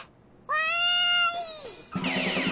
わい！